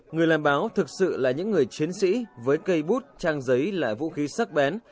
người làm báo thực sự là những người chiến sĩ với cây bút trang giấy là vũ khí sắc bén